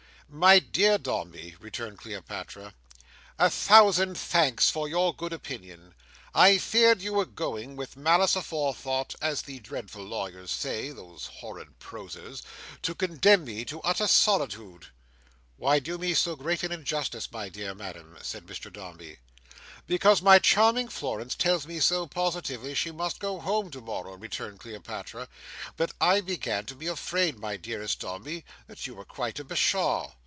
"My dear Dombey," returned Cleopatra, "a thousand thanks for your good opinion. I feared you were going, with malice aforethought, as the dreadful lawyers say—those horrid prosers!—to condemn me to utter solitude." "Why do me so great an injustice, my dear madam?" said Mr Dombey. "Because my charming Florence tells me so positively she must go home tomorrow, returned Cleopatra, that I began to be afraid, my dearest Dombey, you were quite a Bashaw."